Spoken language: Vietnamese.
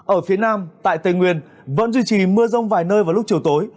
ở phía nam tại tây nguyên vẫn duy trì mưa rông vài nơi vào lúc chiều tối